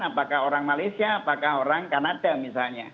apakah orang malaysia apakah orang kanada misalnya